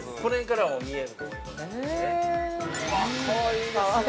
◆かわいいなあ。